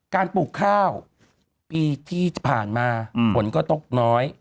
ปลูกข้าวปีที่ผ่านมาฝนก็ตกน้อย